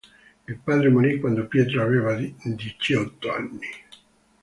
Il padre morì quando Pietro aveva diciotto anni.